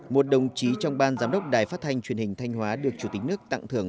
một đồng chí trong ban giám đốc đài phát thanh truyền hình thanh hóa được chủ tịch nước tặng thưởng